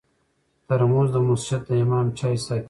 ترموز د مسجد د امام چای ساتي.